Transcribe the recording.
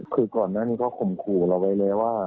คือก่อนหน้านี้ก็ข่มขู่เราไว้แล้วว่า